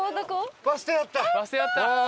やったー！